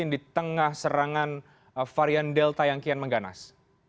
di tengah serangan varian delta yang kian mengganas